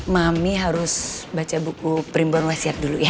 mami harus baca buku perimbun wasiat dulu ya